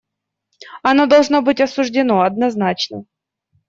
Оно должно быть осуждено однозначно.